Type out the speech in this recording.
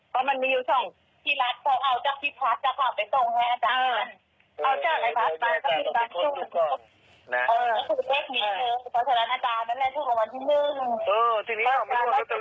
ก็มันมีอยู่ที่รัฐต้องเอาจากพี่พัฒน์จากออกไปตรงให้อาจารย์